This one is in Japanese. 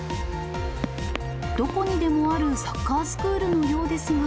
どこにでもあるサッカースクールのようですが。